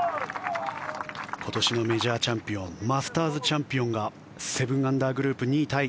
今年のメジャーチャンピオンマスターズチャンピオンが７アンダーグループ２位タイ。